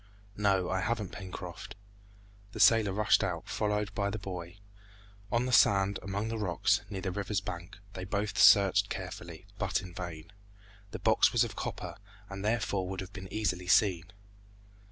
"No, I haven't, Pencroft." The sailor rushed out, followed by the boy. On the sand, among the rocks, near the river's bank, they both searched carefully, but in vain. The box was of copper, and therefore would have been easily seen.